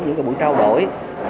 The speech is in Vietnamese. những cái buổi trao đổi